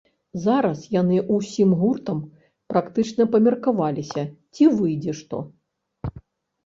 Зараз яны ўсім гуртам практычна памеркаваліся, ці выйдзе што.